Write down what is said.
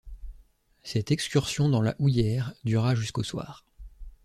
Cette excursion dans la houillère dura jusqu’au soir.